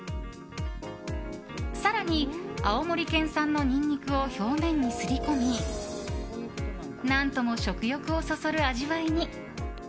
更に青森県産のニンニクを表面にすり込み何とも食欲をそそる味わいに。